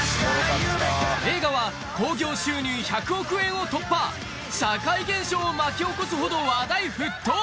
映画は興行収入１００億円を突破社会現象を巻き起こすほど話題沸騰！